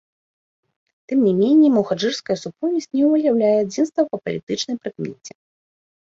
Тым не меней, мухаджырская супольнасць не выяўляе адзінства па палітычнай прыкмеце.